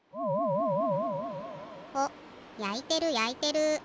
やいてるやいてる。